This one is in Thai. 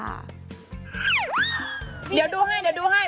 เดี๋ยวดูให้